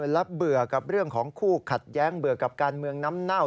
และเบื่อกับเรื่องของคู่ขัดแย้งเบื่อกับการเมืองน้ำเน่า